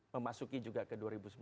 memasuki juga ke dua ribu sembilan belas